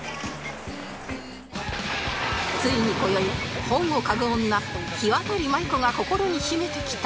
ついに今宵本を嗅ぐ女ひわたりまゆこが心に秘めてきた